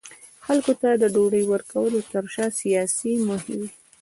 خلکو ته د ډوډۍ ورکولو ترشا سیاسي موخې وې.